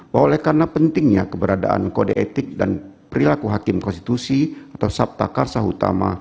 bahwa oleh karena pentingnya keberadaan kode etik dan perilaku hakim konstitusi atau sabta karsa utama